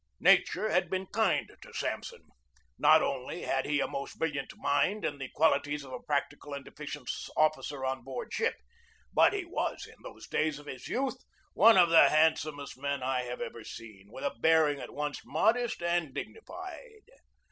Nature had been kind to Sampson. Not only had he a most brilliant mind and the qualities of a practical and efficient officer on board ship, but he was, in those days of his youth, one of the hand somest men I have ever seen, with a bearing at once modest and dignified.